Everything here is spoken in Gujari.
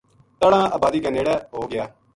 تنہاں آبادی کے نیڑے ہو گیا